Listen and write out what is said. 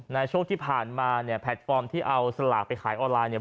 ในช่วงที่ผ่านมาเนี่ยแพลตฟอร์มที่เอาสลากไปขายออนไลน์เนี่ย